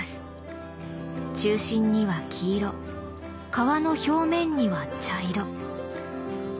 中心には黄色皮の表面には茶色。